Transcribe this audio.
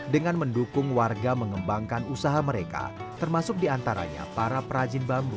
dengan mendukung warga mengembangkan usaha mereka termasuk diantaranya para perajin bambu